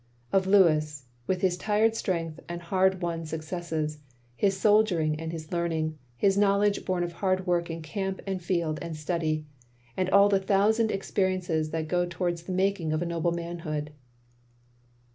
Of Louis with his tried strength and hard won successes; his soldiering and his learning; his knowledge bom of hard work in camp and field and study; and all the thousand experiences that go towards the making of a noble manhood.